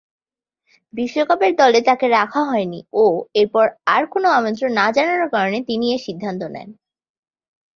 বিশ্বকাপের দলে তাকে রাখা হয়নি ও এরপর আর কোন আমন্ত্রণ না জানানোর কারণে তিনি এ সিদ্ধান্ত নেন।